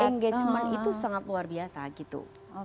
engagement itu sangat luar biasa gitu